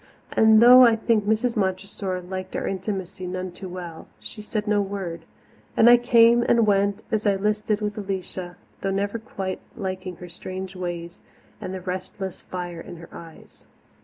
And though I think Mrs. Montressor liked our intimacy none too well, she said no word, and I came and went as I listed with Alicia, though never quite liking her strange ways and the restless fire in her eyes.